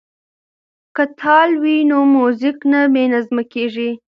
که تال وي نو موزیک نه بې نظمه کیږي.